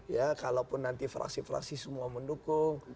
ya kalaupun nanti fraksi fraksi semua mendukung